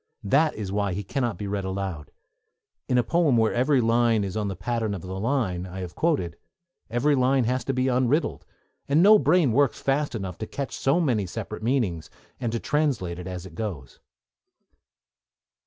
That is why he cannot be read aloud. In a poem where every line is on the pattern of the line I have quoted, every line has to be unriddled; and no brain works fast enough to catch so many separate meanings, and to translate as it goes.